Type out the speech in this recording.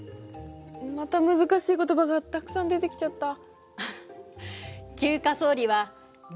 また難しい言葉がたくさん出てきちゃった。